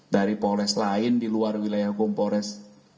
dari polres lain di luar wilayah hukum polres